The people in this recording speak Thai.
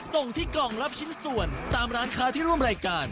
ส่งที่กล่องรับชิ้นส่วนตามร้านค้าที่ร่วมรายการ